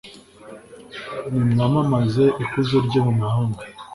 nimwamamaze ikuzo rye mu mahanga